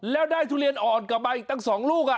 แล้วได้ทุเรียนอ่อนกลับมาอีกตั้ง๒ลูก